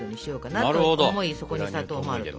そこに砂糖もあると。